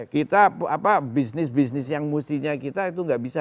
kita bisnis bisnis yang mustinya kita itu nggak bisa